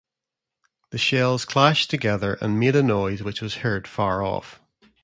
The shells clashed together and made a noise which was heard far off.